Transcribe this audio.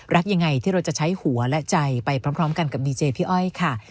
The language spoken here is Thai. รักยังไงที่เราจะใช้หัวและใจไปพร้อมกันกับดีเจพี่อ้อยค่ะ